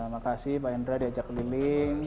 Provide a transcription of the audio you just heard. makasih pak indra diajak keliling